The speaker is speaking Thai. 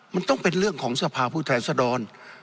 มันต้องเป็นเรื่องของสภาพผู้แทนสดร